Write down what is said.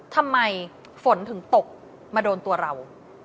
ทำไมฝนถึงตกมาโดนตัวเรา